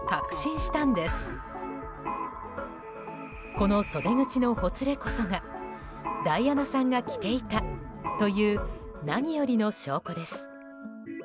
この袖口のほつれこそがダイアナさんが着ていたという何よりの証拠です。